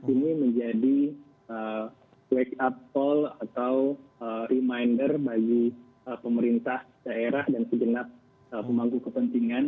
ini menjadi wake up call atau reminder bagi pemerintah daerah dan segenap pemangku kepentingan